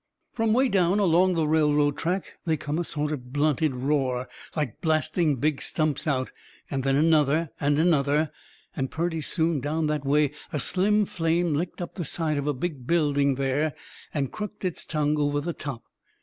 From way down along the railroad track they come a sort of blunted roar, like blasting big stumps out and then another and another. Purty soon, down that way, a slim flame licked up the side of a big building there, and crooked its tongue over the top.